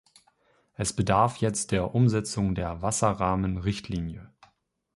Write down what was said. Es bedarf jetzt der Umsetzung der Wasserrahmenrichtlinie.